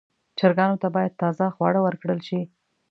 چرګانو ته باید تازه خواړه ورکړل شي.